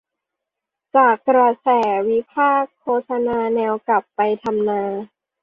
จากกระแสวิพากษ์โฆษณาแนวกลับไปทำนา